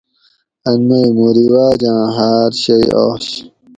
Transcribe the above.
ان مئ مُوں رواجاۤں ہاۤر شئ آش